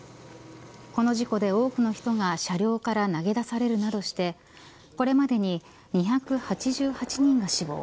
この事故で多くの人が車両から投げ出されるなどしてこれまでに２８８人が死亡。